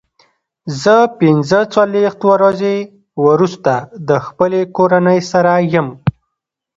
زه پنځه څلوېښت ورځې وروسته د خپلې کورنۍ سره یم.